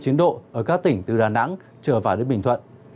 nhiệt độ ở các tỉnh từ đà nẵng trở vào đến bình thuận